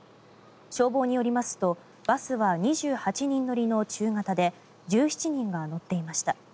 消防によりますとバスは２８人乗りの中型で１７人が乗っていました。